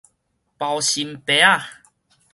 包心白仔